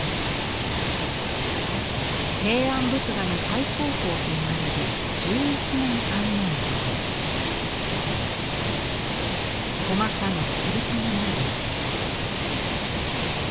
平安仏画の最高峰といわれる細かな截金文様。